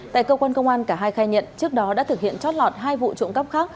tại cơ quan công an cả hai khai nhận trước đó đã thực hiện trót lọt hai vụ trộm cắp khác